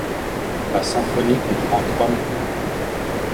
La symphonie comprend trois mouvements.